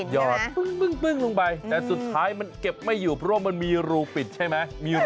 ยอดปึ้งลงไปแต่สุดท้ายมันเก็บไม่อยู่เพราะว่ามันมีรูปิดใช่ไหม